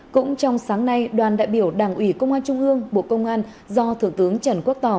cũng trong sáng nay đoàn đại biểu đảng ủy công an trung ương bộ công an do thượng tướng trần quốc tỏ